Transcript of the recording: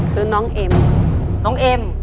คือน้องเอม